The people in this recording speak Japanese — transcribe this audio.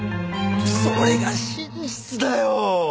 それが真実だよ。